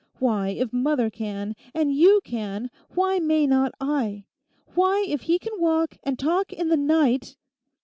Why, if mother can, and you can, why may not I? Why, if he can walk and talk in the night....